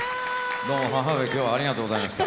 どうも義母上今日はありがとうございました。